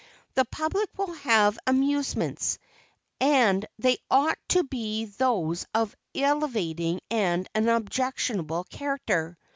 The public will have amusements, and they ought to be those of an elevating and an unobjectionable character.